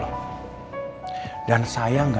atau mungkin terlihat seperti perema tukang pukul